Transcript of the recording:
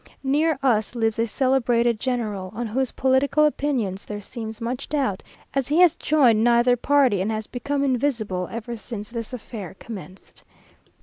Near us lives a celebrated general, on whose political opinions there seems much doubt, as he has joined neither party, and has become invisible ever since this affair commenced.